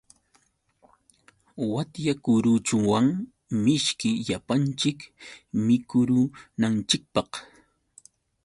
Watyakuruchuwan mishki llapanchik mikurunanchikpaq.